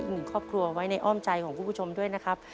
หนึ่งครอบครัวไว้ในอ้อมใจของคุณผู้ชมด้วยนะครับ